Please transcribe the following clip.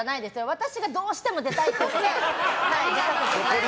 私がどうしても出たいって言って。